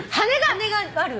羽がある？